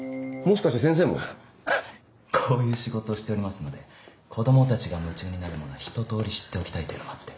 こういう仕事をしておりますので子供たちが夢中になるものはひと通り知っておきたいというのもあって。